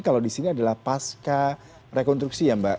kalau di sini adalah pasca rekonstruksi ya mbak